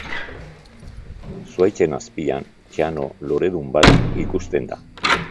Zuhaitzen azpian txano loredun bat ikusten da.